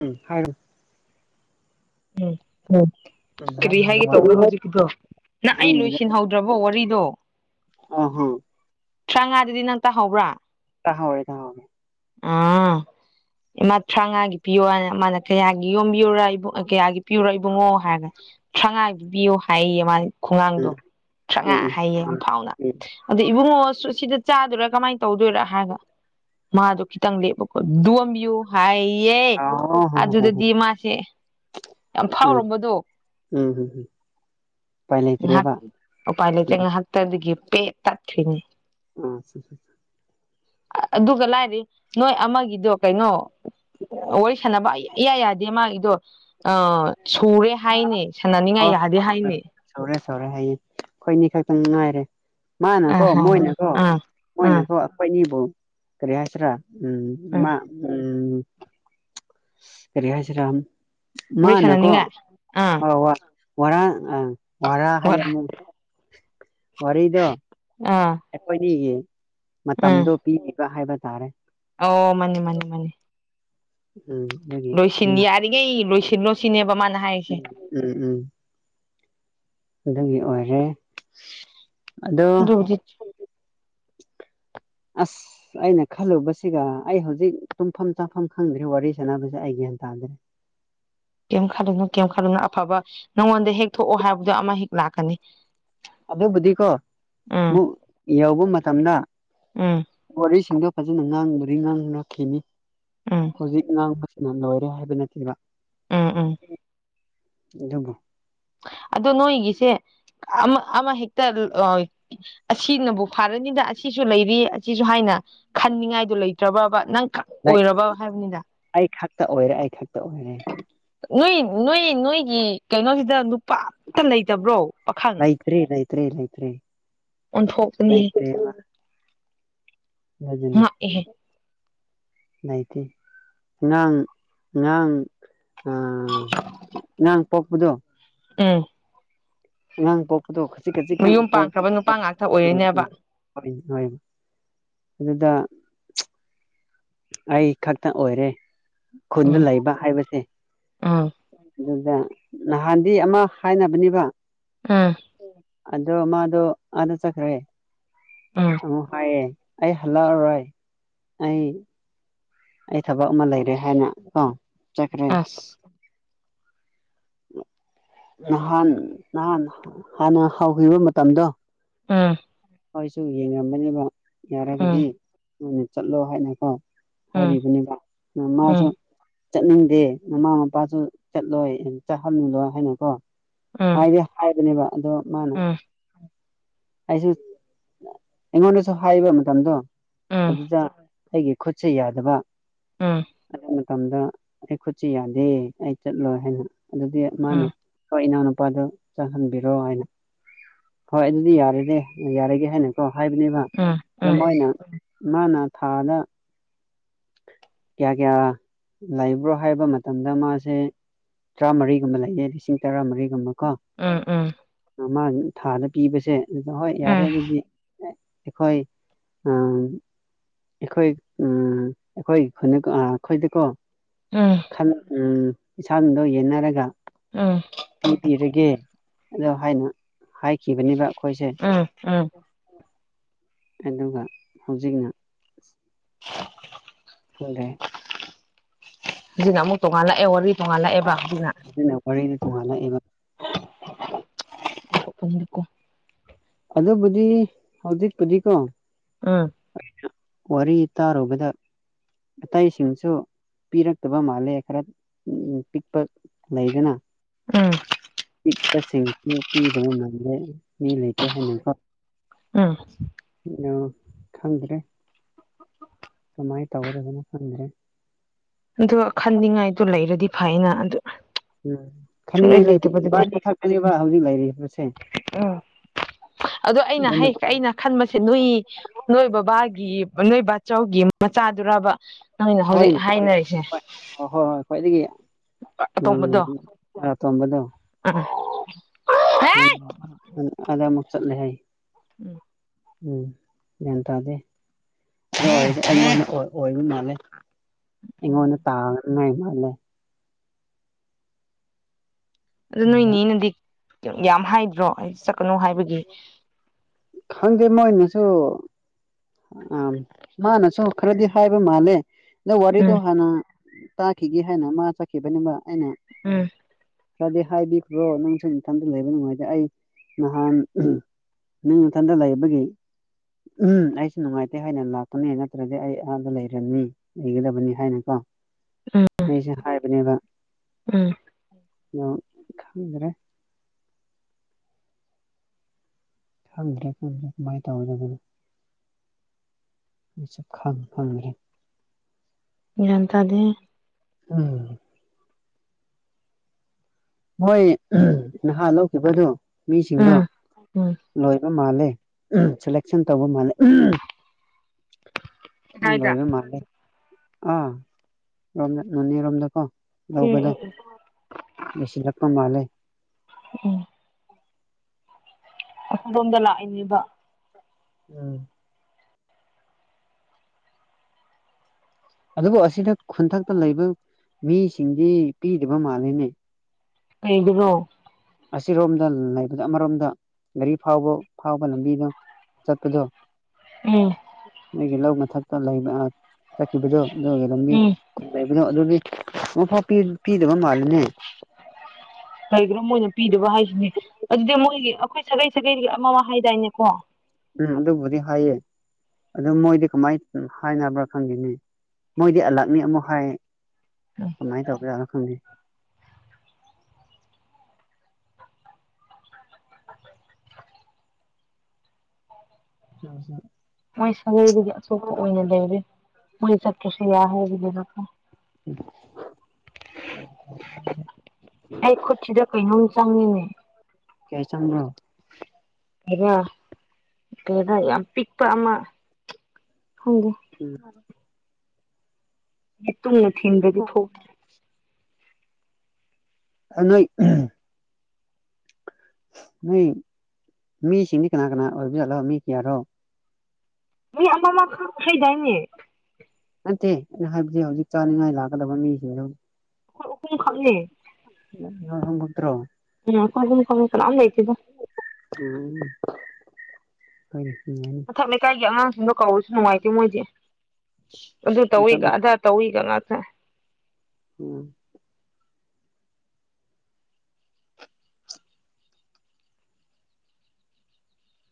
ꯎꯝ ꯍꯥꯏ ꯎꯝ ꯎꯝ ꯍꯥꯏꯔꯣ ꯀꯔꯤ ꯍꯥꯏꯒꯦ ꯇꯧꯕ꯭ꯔꯥ ꯍꯥꯏꯔꯣ ꯍꯧꯖꯤꯛꯀꯤꯗꯣ ꯅꯪ ꯑꯩ ꯅꯪꯒꯤꯗꯣ ꯂꯣꯏꯁꯤꯟꯍꯧ ꯗ꯭ꯔꯕꯣ ꯋꯥꯔꯤꯗꯣ ꯑ ꯍꯣ ꯊ꯭ꯔꯥꯉꯥꯗꯨꯗꯤ ꯅꯪ ꯇꯥꯍꯧꯕ꯭ꯔꯥ ꯇꯥꯍꯧꯋꯦ ꯇꯥꯍꯧꯋꯦ ꯑꯥ ꯏꯃꯥ ꯊ꯭ꯔꯥꯃꯉꯥꯒꯤ ꯄꯤꯌꯣꯅ ꯃꯥꯅ ꯀꯌꯥꯒꯤ ꯌꯣꯝꯕꯤꯌꯨꯔꯕꯨꯡ ꯀꯌꯥꯒꯤ ꯄꯤꯌꯨꯔꯣ ꯏꯕꯨꯡꯉꯣ ꯍꯥꯏꯔꯒ ꯊꯔꯥꯉꯥ ꯄꯤꯕꯤꯌꯣ ꯍꯥꯏꯌꯦ ꯃꯥ ꯈꯨꯡꯒꯥꯡꯗꯣ ꯎꯝ ꯊ꯭ꯔꯥꯉꯥ ꯎꯝ ꯎꯝ ꯍꯥꯏꯌꯦ ꯌꯥꯝ ꯎꯝ ꯐꯥꯎꯅ ꯎꯝ ꯑꯗ ꯏꯕꯨꯡꯉꯣꯁꯨ ꯁꯤꯗ ꯆꯥꯗꯣꯏꯔꯥ ꯀꯃꯥꯏꯅ ꯇꯧꯗꯣꯏꯔꯥ ꯍꯥꯏꯔꯒ ꯃꯥꯗꯣ ꯈꯤꯇꯪ ꯂꯦꯞꯕꯀꯣ ꯗꯣꯝꯕꯤꯌꯨ ꯍꯥꯏꯌꯦꯦ ꯑ ꯍꯣ ꯍꯣ ꯍꯣ ꯍꯣ ꯑꯗꯨꯗꯗꯤ ꯃꯥꯁꯦ ꯌꯥꯝ ꯎꯝ ꯐꯥꯎꯔꯝꯕꯗꯣ ꯎꯝ ꯍꯝ ꯍꯝ ꯎꯄꯥꯏ ꯉꯥꯏꯍꯥꯛ ꯂꯩꯇ꯭ꯔꯦꯕ ꯎꯄꯥꯏ ꯂꯩꯇꯦ ꯎꯝ ꯉꯥꯏꯍꯥꯛꯇꯗꯒꯤ ꯄꯦ ꯇꯠꯈ꯭ꯔꯤꯅꯦ ꯑꯆꯥꯆꯥꯆꯥ ꯑꯗꯨꯒ ꯂꯥꯏꯔꯤ ꯅꯣꯏ ꯑꯃꯒꯤꯗꯣ ꯀꯩꯅꯣ ꯋꯥꯔꯤ ꯁꯥꯟꯅꯕ ꯏꯌꯥ ꯌꯥꯗꯦ ꯃꯥꯒꯤꯗꯣ ꯑ ꯁꯨꯔꯦ ꯍꯥꯏꯅꯤ ꯁꯥꯟꯅꯅꯤꯡꯉꯥꯏ ꯍꯣꯏ ꯌꯥꯗꯦ ꯍꯣꯏ ꯍꯥꯏꯅꯤ ꯍꯣꯏ ꯁꯧꯔꯦ ꯁꯧꯔꯦ ꯍꯥꯏꯌꯦ ꯑꯩꯈꯣꯏꯅꯤ ꯈꯛꯇꯪ ꯉꯥꯏꯔꯦ ꯑ ꯃꯥꯅꯀꯣ ꯍ ꯃꯣꯏꯅꯀꯣ ꯑꯥ ꯑꯥ ꯃꯣꯏꯅꯀꯣ ꯑꯩꯈꯣꯏꯅꯤꯕꯨ ꯀꯔꯤ ꯍꯥꯏꯁꯤꯔꯥ ꯎꯝ ꯑꯥ ꯃꯥ ꯎꯝ ꯀꯔꯤ ꯍꯥꯏꯁꯤꯔ ꯋꯥꯔꯤ ꯃꯥꯅꯀꯣ ꯁꯥꯟꯅꯅꯤꯡꯉꯥꯏ ꯑꯥ ꯍ ꯋꯥꯔꯥ ꯑꯥ ꯋꯥꯔꯥ ꯍꯥꯏ ꯑꯃꯨ ꯋꯥꯔꯤꯗꫭ ꯑꯥ ꯑꯩꯈꯣꯏꯅꯤꯒꯤ ꯎꯝ ꯃꯇꯝꯗꯣ ꯄꯤꯈꯤꯕ ꯍꯥꯏꯕ ꯇꯥꯔꯦ ꯑꯣ ꯃꯥꯅꯤ ꯃꯥꯅꯤ ꯃꯥꯅꯤ ꯎꯝ ꯂꯣꯏꯁꯤꯟ ꯎꯝ ꯌꯥꯔꯤꯈꯩ ꯂꯣꯏꯁꯤꯜꯂꯣ ꯁꯤꯅꯦꯕ ꯃꯥꯅ ꯍꯥꯏꯔꯤꯁꯦ ꯎꯝ ꯎꯝ ꯑꯗꯨꯒꯤ ꯑꯣꯏꯔꯦ ꯑꯗꯣ ꯑꯗꯨꯕꯨꯗꯤ ꯑꯁ ꯑ ꯑꯩꯅ ꯈꯜꯂꯨꯕꯁꯤꯒ ꯑꯩ ꯍꯧꯖꯤꯛ ꯇꯨꯝꯐꯝ ꯆꯥꯐꯝ ꯈꯪꯗ꯭꯭ꯔꯦ ꯋꯥꯔꯤ ꯁꯥꯟꯅꯕꯁꯦ ꯑꯩ ꯒ꯭ꯌꯥꯟ ꯇꯥꯗ꯭ꯔꯦ ꯀꯩꯝ ꯈꯜꯂꯨꯅꯨ ꯀꯩꯝ ꯈꯜꯂꯨꯅꯨ ꯑꯐꯕ ꯅꯪꯉꯣꯟꯗ ꯍꯦꯛ ꯊꯣꯛꯑꯣ ꯍꯥꯏꯕꯗꯣ ꯑꯃ ꯍꯦꯛ ꯂꯥꯛꯀꯅꯤ ꯑꯗꯨꯕꯨꯗꯤꯀꯣ ꯎꯝ ꯑꯃꯨꯛ ꯌꯧꯕ ꯃꯇꯝꯗ ꯎꯝ ꯋꯥꯔꯤꯁꯤꯡꯗꯣ ꯐꯖꯅ ꯉꯥꯡꯕꯗꯤ ꯉꯥꯡꯅꯛꯈꯤꯅꯤ ꯎꯝ ꯍꯧꯖꯤꯛ ꯉꯥꯡꯕ ꯅ ꯂꯣꯏꯔꯦ ꯍꯥꯏꯕ ꯅꯠꯇꯕ ꯎꯝ ꯎꯝ ꯑꯗꯨꯕꯨ ꯑꯗꫭ ꯅꯣꯏꯒꯤꯁꯦ ꯑꯃꯑꯃ ꯍꯦꯛꯇ ꯑꯁꯤꯅꯕꯨ ꯐꯥꯔꯅꯤꯗ ꯑꯁꯤꯁꯨ ꯂꯩꯔꯤ ꯑꯁꯤꯁꯨ ꯍꯥꯏꯅ ꯈꯟꯅꯤꯡꯉꯥꯏꯗꯨ ꯂꯩꯇ꯭ꯔꯕ꯭ꯔꯕ ꯅꯪ ꯈꯛ [unintelligible] ꯑꯩ ꯈꯛꯇ ꯑꯣꯏꯔꯦ ꯑꯩ ꯈꯛꯇ ꯑꯣꯏꯔꯦ ꯅꯣꯏ ꯅꯣꯏ ꯅꯣꯏꯒꯤ ꯀꯩꯅꯣꯁꯤꯗ ꯅꯨꯄꯥ ꯑꯝꯇ ꯂꯩꯇꯕ꯭ꯔꯣ ꯄꯥꯈ ꯂꯩꯇ꯭ꯔꯦ ꯂꯩꯇ꯭ꯔꯦ ꯂꯩꯇ꯭ꯔꯦ ꯑꯣꯟꯊꯣꯛꯀꯅꯤꯍꯦ [inaudible] ꯌꯥ ꯑꯗꯨꯅꯤ ꯉꯛꯏꯍꯦ ꯂꯩꯇꯦ ꯉꯥꯡ ꯉꯥꯡ ꯑ ꯑꯉꯥꯡ ꯄꯣꯛꯄꯗꯣ ꯎꯝ ꯑꯉꯥꯡ ꯄꯣꯛꯄꯗꯣ ꯈꯖꯤꯛ ꯈꯖꯤꯛꯇꯪ ꯃꯌꯨꯝ ꯄꯥꯟꯈ꯭ꯔꯕ ꯅꯨꯄꯥ ꯎꯄꯩꯄꯒꯤꯀꫭ ꯉꯥꯛꯇ ꯑꯣꯏꯔꯤꯅꯦꯕ [unintelligible] ꯍꯣꯏ ꯍꯣꯏ ꯑꯗꯨꯗ ꯑꯩ ꯈꯛꯇ ꯑꯣꯏꯔꯦ ꯈꯨꯟꯗ ꯎꯝ ꯂꯩꯕ ꯍꯥꯏꯕꯁꯦ ꯎꯝ ꯑꯗꯨꯗ ꯅꯍꯥꯟꯗꯤ ꯑꯃ ꯍꯥꯏꯅꯕꯅꯦꯕ ꯎꯝ ꯑꯗꯣ ꯃꯥꯗꫭ ꯑꯗꯥ ꯆꯠꯈꯔꯦ꯫ [unintelligible] ꯎ ꯍꯥꯏꯌꯦ ꯑꯩ ꯍꯜꯂꯛ ꯑꯔꯣꯏ ꯑꯩ꯫ ꯑꯩ ꯊꯕꯛ ꯑꯃ ꯂꯩꯔꯦ ꯍꯥꯏꯅ ꯀꯣ ꯆꯠꯈ꯭ꯔꯦ꯫ [unintelligible] ꯅꯍꯥꯟ ꯅꯍꯥꯟ ꯍꯥꯟꯅ ꯍꯧꯈꯤꯕ ꯃꯇꯝꯗꯣ꯫ ꯎꯝ ꯍꫭꯏꯁꯨ ꯌꯦꯡꯉꯝꯕꯅꯦꯕ ꯎꯝ ꯌꯥꯔꯒꯗꯤ ꯅꯣꯏꯅ ꯆꯠꯂꯣ ꯍꯥꯏꯅꯀꯣ ꯎꯝ ꯍꯥꯏꯕꯤꯕꯅꯦꯕ ꯃꯥꯁꯨ ꯎꯝ ꯆꯠꯅꯤꯡꯗꯦ ꯃꯃꯥ ꯃꯄꯥꯁꯨ ꯆꯠꯂꯣꯏ ꯆꯠꯍꯜꯂꯨꯂꫭ ꯍꯥꯏꯅꯀꯣ ꯎꯝ ꯍꯥꯏꯔꯦ ꯍꯥꯏꯕꯅꯦꯕ ꯑꯗꯣ ꯃꯥꯅ ꯎꯝ ꯎꯝ ꯑꯩꯁꯨ ꯑꯩꯉꯣꯟꯗꯁꯨ ꯍꯥꯏꯕ ꯃꯇꯝꯗꯣ ꯎꯝ ꯎꯝ ꯑꯗꯨꯗ ꯑꯩꯒꯤ ꯈꯨꯠꯁ ꯌꯥꯗꯕ ꯎꯝ ꯑꯗꯨ ꯃꯇꯝꯗ ꯑꯩ ꯈꯨꯠꯁꯤ ꯌꯥꯗꯦ ꯑꯩ ꯆꯠꯂꯣꯏ ꯍꯥꯏꯅ ꯑꯗꯨꯗꯤ ꯎꯝ ꯃꯥꯅ ꯎꯝ ꯍꯣꯏ ꯏꯅꯥꯎꯅꯨꯄꯥꯗꯨ꯫ ꯆꯪꯍꯟꯕꯤꯔꯣ ꯍꯥꯏꯅ ꯍꯣꯏ ꯑꯗꯨꯗꯤ ꯌꯥꯔꯗꯤ ꯌꯥꯔꯒꯦ ꯍꯥꯏꯅ꯫ ꯀꯣ ꯍꯥꯏꯕꯅꯦꯕ ꯎꯝ ꯎꯝ ꯃꯣꯏꯅ ꯃꯥꯅ ꯊꯥꯗ꯫ ꯀꯌꯥ ꯀꯌꯥ ꯂꯩꯕ꯭ꯔꯣ ꯍꯥꯏꯕ ꯃꯇꯝꯗ ꯃꯥꯁꯦ꯫ ꯇꯔꯥꯃꯔꯤꯒꯨꯝꯕ ꯂꯩꯌꯦ ꯂꯤꯁꯤꯡ ꯇꯔꯥꯃꯔꯤꯒꯨꯝꯕ ꯀꯣ꯫ ꯎꯝ ꯎꯝ꯫ ꯑꯃꯥ ꯊꯥꯗ ꯄꯤꯕꯁꯦ ꯑꯗꯨꯗ ꯍꯣꯏ ꯎꯝ ꯌꯥꯔꯦ ꯑꯗꯨꯗꯤ꯫ ꯑꯩꯈꯣꯏ ꯑꯥ꯫ ꯑꯩꯈꯣꯏ ꯎꯝ ꯑꯩꯈꯣꯏ ꯈꯨꯟꯗ ꯀꯣ ꯑꯩꯈꯣꯏꯗꯀꯣ꯫ ꯎꯝ꯫ [unintelligible] ꯎꯝ ꯏꯁꯥꯅꯗꯣ ꯌꯦꯟꯅꯔꯒ꯫ ꯎꯝ꯫ ꯄꯤ ꯄꯤꯔꯒꯦ ꯑꯗꯣ ꯍꯥꯏꯅ ꯍꯥꯏꯈꯤꯕꯅꯦꯕ ꯑꯩꯈꯣꯏꯁꯦ꯫ ꯎꯝ ꯑꯗꯨꯒ ꯍꯧꯖꯤꯛꯅ꯫ [unintelligible] [unintelligible] [unintelligible] ꯑꯗꯨꯅ ꯑꯃꯨꯛ ꯇꯣꯉꯥꯟꯅꯂꯑꯦ ꯋꯥꯔꯤ꯫ ꯇꯣꯡꯉꯟꯜ ꯂꯥꯛꯑꯦꯕ ꯍꯧꯖꯤꯛꯅ꫰꫰ ꯋꯥꯔꯤꯗ ꯇꯣꯡꯉꯥꯜꯂꯛꯑꯦꯕ [unintelligible] ꯑꯗꯨꯕꯨꯗꯤ ꯍꯧꯖꯤꯛꯄꯨꯗꯤꯀꯣ꯫ ꯎꯝ [unintelligible] ꯋꯥꯔꯤ ꯇꯥꯔꯨꯕꯗ ꯑꯇꯩꯁꯤꯡꯁꯨ꯫ ꯄꯤꯔꯛꯇꯕ ꯃꯥꯜꯂꯦ ꯈꯔ ꯄꯤꯛꯄ ꯂꯩꯗꯅ꯫ ꯎꯝ ꯀꯁꯤꯡꯁꯨ ꯄꯤꯗꯕ ꯃꯜꯂꯦ ꯃꯤ ꯂꯩꯇꯦ ꯍꯥꯏꯅ ꯀꯣ꯫ ꯎꯝ꯫ ꯑ [unintelligible] ꯈꯪꯗ꯭ꯔꯦ ꯀꯃꯥꯏꯅ ꯇꯧꯒꯗꯕꯅꯣ ꯈꯪꯗ꯭ꯔꯦ꯫ ꯑꯗꯣ ꯈꯟꯅꯤꯡꯉꯥꯏꯗꯣ ꯂꯩꯔꯗꯤ ꯐꯥꯏꯌꯦꯅ ꯑꯗꯨ꯫ ꯎꯝ ꯁꯨꯡꯂꯩ ꯈꯅꯤꯡꯉꯥꯏꯗꯤ ꯂꯩꯇꯕꯗꯨꯗꯤ ꯏꯕꯅꯤ ꯈꯛꯇꯥꯅꯦꯕ ꯍꯧꯖꯤꯛ ꯂꯩꯔꯤꯕꯁꯦ꯫ ꯎꯝ ꯑꯗꯨ ꯑꯩꯅ ꯍꯥꯏꯁꯤ ꯑꯩꯅ꯫ ꯈꯟꯕꯁꯦ ꯅꯣꯏ ꯅꯣꯏ ꯕꯕꯥꯒꯤ ꯅꯣꯏ ꯕꯥꯆꯧꯒꯤ ꯃꯆꯥꯗꯨꯔꯕ꯫ ꯅꫭꯏꯅ ꯍꯧꯖꯤꯛ ꯍꯣꯏꯅꯦ ꯍꯣꯏ ꯍꯣꯏ ꯍꯥꯏꯅꯔꯤꯁꯦ ꯍꯣꯏ ꯍꯣꯏ ꯍꯣꯏ ꯈ꯭ꯋꯥꯏꯗꯒꯤ ꯑꯇꯣꯝꯕꯗꯣ ꯑ ꯇꯣꯝꯕꯗꫭ ꯑꯥ ꯑꯗ ꯑꯃꯨꯛ ꯆꯠꯂꯦ ꯍꯥꯏ ꯎꯝ ꯎꯝ ꯒ꯭ꯌꯥꯟ ꯇꯥꯗꯦ [unintelligible] ꯑꯣꯏꯕ ꯃꯥꯜꯂꯦ ꯎꯝ ꯏꯉꯣꯟꯅ ꯇꯥꯅ [unintelligible] ꯑꯗꯨ ꯅꯣꯏꯅꯦꯅꯗꯤ ꯌꯥꯝ ꯍꯥꯏꯗ꯭ꯔꯣ ꯑꯩ ꯆꯠꯀꯅꯨ ꯍꯥꯏꯕꯒꯤ ꯈꯪꯗꯦ ꯃꯣꯏꯅꯁꯨ ꯑ ꯃꯥꯅꯁꯨ ꯈꯔꯗꯤ ꯍꯥꯏꯕ ꯃꯥꯜꯂꯦ ꯑꯗꯣ ꯋꯥꯔꯤꯗꯣ ꯎꯝ ꯍꯥꯟꯅ ꯇꯥꯈꯤꯒꯦ ꯍꯥꯏꯅ ꯃꯥ ꯆꯠꯈꯤꯕꯅꯦꯕ ꯑꯩꯅ ꯎꯝ꯫ ꯈꯔꯗꯤ ꯍꯥꯏꯕꯤꯈ꯭ꯔꯣ ꯅꯪꯁꯨꯨ ꯃꯊꯟꯗ ꯂꯩꯕ ꯅꯨꯡꯉꯥꯏꯗꯦ ꯑꯩ ꯅꯍꯥꯟ꯫ ꯅꯪ ꯅꯊꯟꯗ ꯂꯩꯕꯒꯤ꯫ ꯎꯝ ꯑꯩꯁꯨ ꯅꯨꯡꯉꯥꯏꯇꯦ ꯍꯥꯏꯅ ꯂꯥꯛꯄꯅꯦ ꯅꯠꯇ꯭ꯔꯗꯤ ꯑꯩ ꯑꯗ ꯂꯩꯔꯝꯅꯤ꯫ ꯂꯩꯒꯗꯕꯅꯤ ꯍꯥꯏꯅꯀꯣ꯫ ꯎꯝ ꯑꯩꯁꯦ ꯍꯥꯏꯕꯅꯦꯕ ꯎꯝ ꯑꯗꯨ ꯈꯪꯗ꯭ꯔꯦ꯫ ꯈꯪꯗ‍꯭ꯔꯦ ꯈꯪꯗꯦ ꯀꯃꯥꯏꯅ ꯇꯧꯒꯗꯕꯅꯣ ꯑꯩꯁꯨ ꯈꯪ ꯈꯪꯗ꯭ꯔꯦ꯫ ꯒꯤꯌꯥꯟ ꯇꯥꯗꯦ꯫ ꯎꯝ ꯍꯣꯏ ꯅꯍꯥꯟ ꯂꯧꯈꯤꯕꯗꯣ ꯃꯤꯁꯤꯡꯗꯣ ꯎꯝ ꯎꯝ ꯂꯣꯏꯕ ꯃꯥꯂꯦ ꯁꯦꯂꯦꯛꯁꯟ ꯇꯧꯕ ꯃꯥꯜꯂꯦ ꯃꫭꯏ ꯀꯗꯥꯏꯗ ꯂꯣꯏꯔ ꯃꯥꯜꯂꯦ ꯑ ꯔꯣꯝꯗ ꯅꯣꯅꯦꯔꯣꯝꯗꯀꯣ ꯎꯝ ꯂꯧꯕꯗꯣ ꯎꯝ ꯎꯝ ꯂꯣꯏꯁꯤꯜꯂꯛꯄ ꯃꯥꯜꯂꯦ ꯎꯝ ꯑꯗꫭꯝꯗ ꯂꯥꯛꯏꯅꯦꯕ ꯎꯝ ꯑꯗꯨꯕꯨ ꯑꯁꯤꯗ ꯈꯨꯟꯊꯛꯇ ꯂꯩꯕ ꯃꯤꯁꯤꯡꯗꯤ ꯄꯤꯗꯕ ꯃꯥꯜꯂꯤꯅꯦ ꯀꯩꯒꯤꯅꯣ ꯑꯁꯤꯔꯣꯝꯗ ꯂꯩꯕꯗ ꯑꯃꯔꯣꯝꯗ ꯒꯥꯔꯤ ꯐꯥꯎꯕ ꯐꯥꯎꯕ ꯂꯝꯕꯤꯗꯣ ꯆꯠꯄꯗꯣ ꯎꯝ ꯅꯣꯏꯒꯤ ꯂꯧ ꯃꯊꯛꯇ ꯂꯩꯕ ꯆꯠꯈꯤꯕꯗꯨ ꯑꯗꯨꯒꯤ ꯂꯝꯕꯤ ꯎꯝ ꯈꯨꯟ ꯂꯩꯕꯗꯣ ꯑꯗꯨꯗꯤ ꯑꯃꯨꯛꯐꯥꯎ ꯄꯤ ꯄꯤꯗꯕ ꯃꯥꯜꯂꯤꯅꯦ ꯀꯩꯒꯤꯅꫭ ꯃꯣꯏꯅ ꯄꯤꯗꯕ ꯍꯥꯏꯁꯤꯅꯦ ꯑꯗꯨꯗꯤ ꯃꯣꯏꯒꯤ ꯑꯩꯈꯣꯏ ꯁꯥꯒꯩ ꯁꯥꯒꯩꯒꯤ ꯑꯃ ꯑꯃ ꯍꯥꯏꯗꯥꯏꯅꯦꯀꯣ ꯎꯝ ꯑꯗꯨꯕꯨꯗꯤ ꯍꯥꯏꯌꯦ ꯑꯗꯨ ꯃꯣꯏꯗꯤ ꯀꯃꯥꯏꯅ ꯍꯥꯏꯅꯕ꯭ꯔꯥ ꯈꯪꯗꯦꯅꯦ ꯃꯣꯏꯗꯤ ꯑꯜꯂꯛꯅꯤ ꯑꯃꯨꯛ ꯍꯥꯏ ꯀꯃꯥꯏ ꯇꯧꯕꯖꯥꯠꯅꯣ ꯈꯪꯗꯦ [unintelligible] ꯃꯣꯏ ꯁꯒꯩꯗꯒꯤ ꯑꯇꯣꯛꯞꯄ ꯑꯣꯏꯅ ꯂꯩꯔꯦ ꯃꯣꯏ ꯆꯠꯇꯁꯨ ꯌꯥꯎꯍꯧ ꯗꯅꯀꯣ [unintelligible] ꯑꯩ ꯈꯨꯠꯁꯤꯗ ꯀꯩꯅꯣꯝ ꯆꯪꯉꯤꯅꯦ ꯀꯩ ꯆꯪꯕꯔꯣ ꯀꯩꯕ ꯀꯩꯕꯥ ꯌꯥꯝ ꯄꯤꯛꯄ ꯑꯃ ꯈꯪꯗꯦ ꯎꯝ ꯌꯦꯠꯇꯨꯝꯅ ꯊꯤꯟꯗꯔꯗꯤ ꯊꯣꯛꯇꯦ ꯑꯅꫭꯏ ꯑ ꯅꫭꯏ ꯃꯤꯁꯤꯡꯗꯤ ꯀꯅꯥ ꯀꯅꯥ ꯑꯣꯏꯕꯖꯥꯠꯂꯣ ꯃꯤ ꯀꯌꯥꯔꯣ ꯃꯤ ꯑꯃ ꯃꯝꯈꯛ ꯍꯩꯗꯥꯏꯅꯦ ꯅꯠꯇꯦ ꯑꯩꯅ ꯍꯥꯏꯕꯗꯤ ꯍꯧꯖꯤꯛ ꯆꯥꯅꯤꯡꯉꯥꯏ ꯂꯥꯛꯀꯗꯕ ꯃꯤꯁꯤꯡꯗꯣ ꯑꯩꯈꯣꯏ ꯑꯍꯨꯝ ꯈꯛꯅꯦ ꯅꯣꯏ ꯑꯍꯨꯝ ꯈꯛꯇꯔꯣ ꯎꯝ ꯑꯩꯈꯣꯏ ꯑꯍꯨꯝ ꯈꯛꯅꯦ ꯀꯅꯥꯝ ꯂꯩꯇꯦꯗꯥ [unintelligible] ꯃꯊꯛ ꯂꯩꯀꯥꯏꯒꯤ ꯑꯉꯥꯡꯁꯤꯡꯗꯣ ꯀꯧꯔꯁꯨ ꯅꯨꯡꯉꯥꯏꯇꯦ ꯃꯣꯏꯗꯤ ꯑꯗꯨ ꯇꯧꯋꯤꯒ ꯏꯟꯈꯠꯂ ꯑꯗꯥ ꯇꯧꯋꯤꯒ ꯉꯇꯦ ꯎꯝ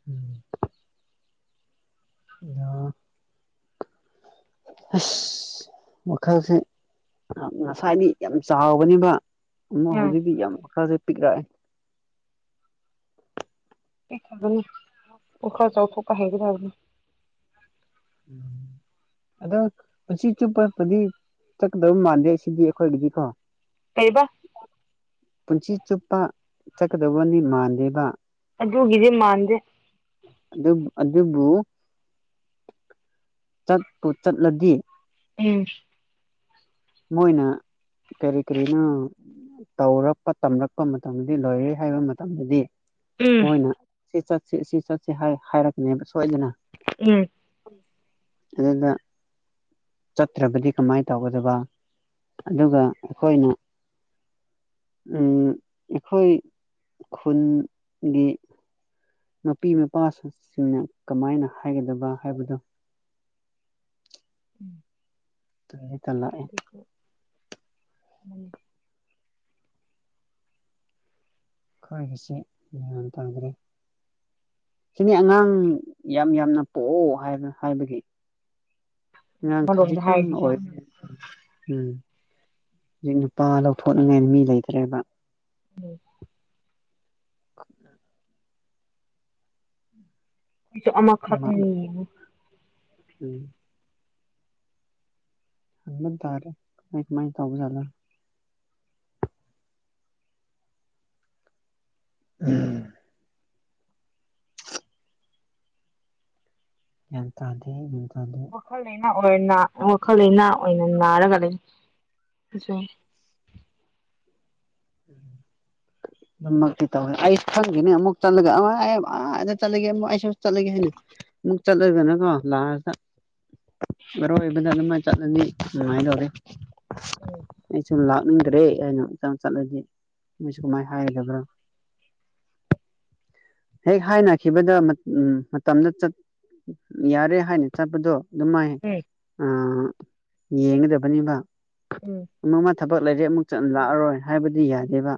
ꯎꯝ ꯑ ꯑꯁ ꯋꯥꯜꯁꯦ ꯉꯁꯥꯏꯗꯤ ꯌꯥꯝ ꯆꯥꯎꯕꯅꯤꯕ ꯑꯃ ꯎꯝ ꯍꯧꯖꯤꯛꯇꯤ ꯌꯥꯝ ꯈꯔꯒ ꯄꯤꯛꯑꯦ ꯑꯦ ꯑꯗꯨꯅꯤ ꯋꯥꯈꯜ ꯆꯥꯎꯊꯣꯛꯄ ꯍꯩꯒꯗꯕꯅꯦ [inaudible] ꯑꯗꯣ ꯄꯨꯟꯁꯤ ꯆꯨꯞꯄ ꯇꯗꯤ ꯆꯠꯀꯗꯧ ꯃꯥꯟꯗꯦ ꯁꯤꯗꯤ ꯑꯩꯈꯣꯏꯒꯤꯗꯤꯀꯣ ꯀꯩꯕ ꯄꯨꯟꯁꯤ ꯆꯨꯞꯄ ꯆꯠꯀꯗꯧꯕꯅꯤ ꯃꯥꯟꯗꯦꯕ ꯑꯗꯨꯒꯤꯗꯤ ꯃꯥꯟꯗꯦ ꯑꯗꯨꯕꯨ ꯆꯠꯄꯨ ꯆꯠꯂꯗꯤ ꯎꯝ ꯃꯣꯏꯅ ꯀꯔꯤ ꯀꯔꯤꯅꯣ ꯇꯧꯔꯛꯄ ꯇꯝꯂꯛꯄ ꯃꯇꯝꯗꯗꯤ ꯂꯣꯏꯔꯦ ꯍꯥꯏꯕ ꯃꯇꯝꯗꯗꯤ ꯎꯝ ꯃꯣꯏꯅ ꯁꯤ ꯆꯠꯁꯤ ꯁꯤ ꯆꯠꯁꯤ ꯍꯥꯏꯔꯛꯀꯅꯦꯕ ꯁꯣꯏꯗꯅ ꯎꯝ ꯎꯝ ꯑꯗꯨꯗ ꯆꯠꯇ꯭ꯔꯕꯗꯤ ꯀꯃꯥꯏꯅ ꯇꯧꯒꯗꯕ ꯑꯗꯨꯒ ꯑꯩꯈꯣꯏꯅ ꯑꯩꯈꯣꯏ ꯈꯨꯟꯒꯤ ꯃꯄꯤ ꯃꯄꯥꯁꯤꯡꯅ ꯀꯃꯥꯏꯅ ꯍꯥꯏꯒꯗꯕ ꯍꯥꯏꯕꯗꯨꯣ [inaudible] [unintelligible] [unintelligible] ꯈꯣꯏꯒꯤꯁꯦ ꯒ꯭ꯌꯥꯟ ꯇꯥꯈ꯭ꯔꯦ ꯁꯤꯅꯤ ꯑꯉꯥꯡ ꯌꯥꯝ ꯌꯥꯝꯅ ꯄꯣꯛꯑꯣ ꯍꯥꯏꯕꯒꯤ ꯑꯥꯡ ꯑꯃꯔꯣꯝꯗ ꯈꯖꯤꯛꯇꯪ ꯍꯥꯏꯔꯗꯤꯀꯣ ꯑꯣꯏꯕ ꯎꯝ ꯍꯧꯖꯤꯛ ꯅꯨꯄꯥ ꯂꯧꯊꯣꯛꯅꯤꯡꯉꯥꯏꯅ ꯃꯤ ꯂꯩꯇ꯭ꯔꯦꯕ [inaudible] [unintelligible] ꯑꯃ ꯑꯃꯈꯛꯅꯤ ꯎꯝ ꯗꯗꯥꯏꯔꯦ ꯃꯥꯥꯏ ꯇꯕꯨꯂ ꯎꯝ ꯌꯦ ꯇꯗꯦ ꯌꯦ ꯊꯗꯦ ꯋꯥꯈꯜ ꯂꯩꯩꯅ ꯋꯥꯈꯜ ꯂꯩꯅ ꯑꯣꯏꯅ ꯅꯥꯔꯒ ꯂꯩ ꯎꯝ ꯑꯗꯨꯃꯛꯇꯤ ꯇꯧꯋꯦ ꯑꯩꯁꯨ ꯈꯪꯒꯦꯅꯦ ꯑꯃꯨꯛ ꯆꯠꯂꯒ ꯑꯥꯗ ꯆꯠꯂꯒꯦ ꯑꯃꯨꯛ ꯑꯩꯁꯨ ꯆꯠꯂꯒꯦ ꯍꯥꯏꯅ ꯑꯃꯨꯛ ꯆꯠꯂꯣꯏꯕꯅꯀꯣ ꯂꯥꯛꯑ ꯃꯔꯔꯣꯏ ꯑꯩꯕꯗ ꯑꯗꯨꯃ ꯆꯠꯂꯅꯤ ꯅꯨꯡꯃꯥꯏꯗꯧꯔꯦ ꯎꯝ ꯑꯩ ꯁꯨꯝ ꯂꯥꯛꯅꯤꯡꯗ꯭ꯔꯦ ꯑꯩꯅꯆꯥꯡ ꯆꯠꯂꯗꯤ ꯃꯣꯏꯁꯨ ꯀꯃꯥꯏꯅ ꯍꯥꯏꯒꯗꯕ꯭ꯔꯥ ꯍꯦꯛ ꯍꯥꯏꯅꯈꯤꯕꯗ ꯎ ꯃꯇꯝꯗꯠ ꯌꯥꯔꯦ ꯍꯥꯏꯅ ꯆꯠꯄꯗꯣ ꯑꯗꯨꯝ ꯃꯥꯏ ꯎꯝ ꯌꯦꯡꯒꯗꯕꯅꯤꯕ ꯎꯝ ꯑꯃ ꯑꯃ ꯊꯕꯛ ꯂꯩꯔꯦ ꯑꯃꯨꯛ ꯆꯠ ꯂꯥꯛꯑꯔꯣꯏ ꯍꯥꯏꯕꯗꯤ ꯌꯥꯗꯦꯕ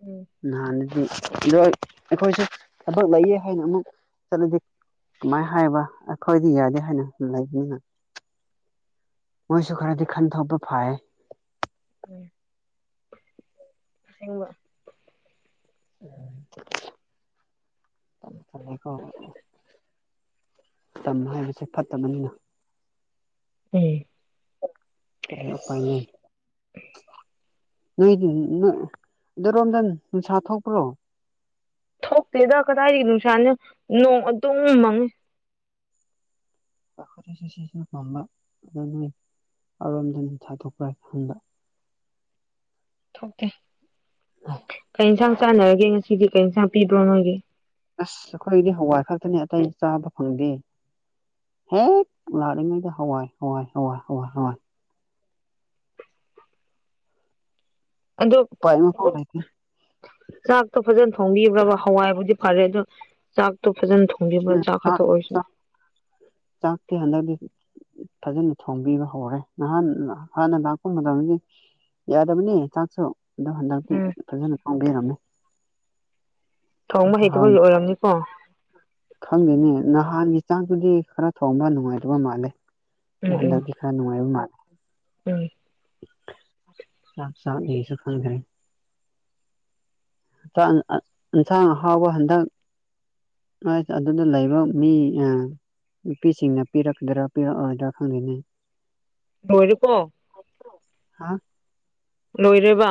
ꯎꯝ ꯅꯗꯤ ꯑꯩꯈꯣꯏꯁꯦ ꯊꯕꯛ ꯂꯩꯌꯦ ꯍꯥꯏꯅ ꯑꯃꯨꯛ ꯆꯠꯂꯗꯤ ꯀꯃꯥꯏꯅ ꯍꯥꯏꯕ ꯑꯩꯈꯣꯏꯗꯤ ꯌꯥꯗꯦ ꯍꯥꯏꯅ ꯂꯩꯕꯅꯤꯅ ꯃꯣꯏꯁꯨ ꯈꯔꯗꯤ ꯈꯟꯊꯣꯛꯄ ꯐꯥꯏ ꯎꯝꯦꯡꯕ ꯎꯝ ꯀꯣ ꯇꯝ ꯍꯥꯏꯕꯁꯦ ꯐꯠꯇꯕꯅꯤꯅ ꯎꯝ ꯀꯔꯤ ꯎꯄꯥꯏꯅꯦ ꯅꯣꯏ ꯑꯗꯨꯔꯣꯝꯗ ꯅꯨꯡꯁꯥ ꯊꯣꯛꯄ꯭ꯔꯣ ꯊꯣꯛꯇꯦꯗ ꯀꯗꯥꯏꯗꯒꯤ ꯅꯨꯡꯁꯥꯅꯣ ꯅꯣꯡ ꯑꯗꯨꯝ ꯃꯪꯉꯤ ꯑꯩ ꯈꯨꯗꯤꯁꯨ ꯁꯤꯖꯤꯟꯅ ꯄꯝꯕ ꯑꯗꯨ ꯅꯣꯏ ꯑꯔꯣꯝꯗꯅꯤ ꯊꯥꯗꯣꯛꯄ꯭ꯔꯥ ꯈꯟꯕ ꯊꯣꯛꯇꯦ ꯀꯔꯤ ꯏꯟꯁꯥꯡ ꯆꯥꯟꯅꯔꯒꯦ ꯉꯁꯤꯗꯤ ꯀꯔꯤ ꯏꯟꯁꯥꯡ ꯄꯤꯕ꯭ꯔꯣ ꯅꯣꯏꯒꯤ ꯑꯁ ꯑꯩꯈꯣꯏꯗꯤ ꯍꯋꯥꯏ ꯈꯛꯇꯅꯦ ꯑꯇꯩ ꯆꯥꯕ ꯐꯪꯗꯦ ꯍꯦꯛ ꯂꯥꯔꯤꯉꯩꯗ ꯍꯋꯥꯏ ꯍꯋꯥꯏ ꯍꯋꯥꯏ ꯍꯋꯥꯏ ꯍꯋꯥꯏ ꯑꯗꯣ ꯎꯄꯥꯏ ꯑꯃꯐꯥꯎ ꯂꯩꯇꯦ ꯆꯥꯛꯇꯣ ꯐꯖꯅ ꯊꯣꯡꯕꯤꯕ꯭ꯔꯕ ꯍꯋꯥꯏꯕꯨꯗꯤ ꯐꯔꯦ ꯑꯗꯣ ꯆꯥꯛꯇꯣ ꯐꯖꯅ ꯊꯣꯡꯕꯤꯕ꯭ꯔꯥ ꯎꯝ ꯆꯥꯛ ꯈꯛꯇ ꯑꯣꯏꯔꯁꯨ ꯆꯥꯛꯇ ꯍꯟꯗ꯭ꯔ ꯐꯖꯅ ꯊꯣꯡꯕꯤꯕ ꯍꯧꯔꯦ ꯅꯍꯥꯟ ꯍꯥꯟꯅ ꯂꯥꯛꯄ ꯃꯇꯝꯗ ꯌꯥꯗꯕꯅꯤ ꯆꯥꯛꯁꯨ ꯑꯗꯨꯣ ꯍꯟꯗꯛꯇꯤ ꯎꯝ ꯐꯖꯅ ꯈꯪꯕꯤꯔꯝꯃꯦ ꯊꯣꯡꯕ ꯍꯥꯎꯅ ꯍꯩꯇꯕꯒꯤ ꯑꯣꯏꯔꯝꯅꯤꯀꯣ ꯈꯪꯗꯦꯅꯦ ꯅꯍꯥꯟꯒꯤ ꯆꯥꯡꯗꯨꯗꯤ ꯈꯔ ꯊꯣꯡꯕ ꯅꯨꯡꯉꯥꯏꯇꯕ ꯃꯥꯜꯂꯦ ꯎꯝ ꯎꯝ ꯥꯟꯗꯛꯀꯤꯀꯥ ꯅꯨꯡꯉꯥꯏꯕ ꯃꯥꯜꯂꯦ ꯎꯝ ꯆꯞ ꯆꯁꯨ ꯈꯪ ꯐꯔꯦ ꯌꯦꯟꯁꯥꯡ ꯑꯍꯥꯎꯕ ꯍꯟꯗꯛ ꯍꯣꯏ ꯑꯗꯨꯗ ꯂꯩꯕ ꯃꯤ ꯑ ꯅꯨꯄꯤꯁꯤꯡꯅ ꯄꯤꯔꯛꯀꯗ꯭ꯔꯥ ꯄꯤꯔꯛꯑꯣꯣꯏꯗ꯭ꯔꯥ ꯈꯪꯗꯅꯤꯩ ꯃꯣꯏꯔ ꯀꯣ ꯍꯥ ꯂꯣꯏꯔꯤꯕ